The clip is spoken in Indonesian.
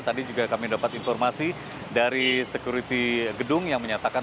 tadi juga kami dapat informasi dari sekuriti gedung yang menyatakan